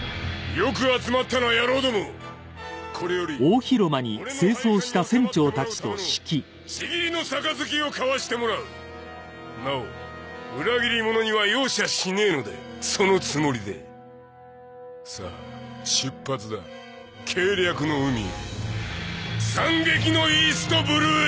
よく集まったな野郎どもこれより俺の配下におさまってもらうための契りの盃を交わしてもらうなお裏切り者には容赦しねえのでそのつもりでさあ出発だ計略の海へ惨劇のイーストブルーへ！